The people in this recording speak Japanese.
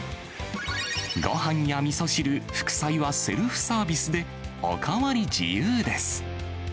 ごはんやみそ汁、副菜はセルフサービスで、お代わり自由です。